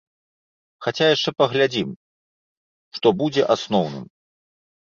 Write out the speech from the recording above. Хаця яшчэ паглядзім, што будзе асноўным!